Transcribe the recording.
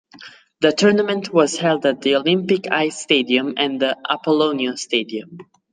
The tournament was held at the Olympic Ice Stadium and the Apollonio Stadium.